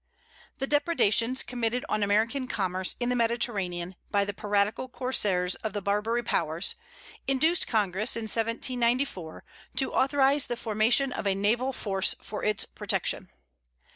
The depredations committed on American commerce in the Mediterranean, by the piratical corsairs of the Barbary powers, induced Congress, in 1794, to authorize the formation of a naval force for its protection.